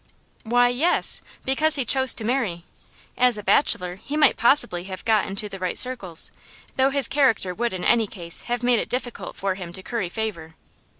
'Why, yes because he chose to marry. As a bachelor he might possibly have got into the right circles, though his character would in any case have made it difficult for him to curry favour.